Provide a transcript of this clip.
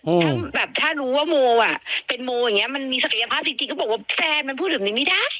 ถ้าแบบถ้ารู้ว่าโมอ่ะเป็นโมอย่างเงี้มันมีศักยภาพจริงจริงก็บอกว่าแฟนมันพูดแบบนี้ไม่ได้